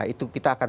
itu kita akan